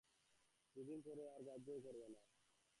দুদিন পরে আর গ্রাহ্যও করবে না।